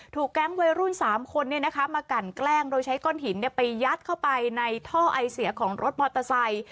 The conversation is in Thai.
แก๊งวัยรุ่น๓คนมากันแกล้งโดยใช้ก้อนหินไปยัดเข้าไปในท่อไอเสียของรถมอเตอร์ไซค์